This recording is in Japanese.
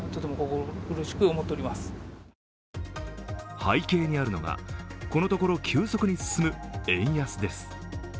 背景にあるのが、このところ急速に進む円安です。